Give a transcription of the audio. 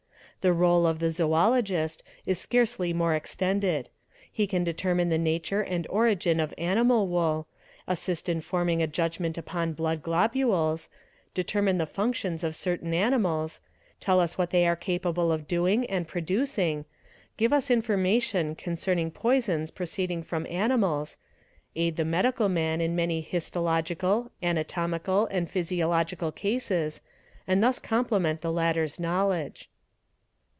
The rdle of the zoologist is scarcely more extended: he can determine the nature and origin of animal wool; assist in forming a judgment upon blood globules ; determine the functions of certain animals; tell us what they are capable — of doing and producing; give us information concerning poisons pro — ceeding from animals; aid the medical man in many _ histological, anatomical, and physiological cases, and thus complement the latter's knowledge.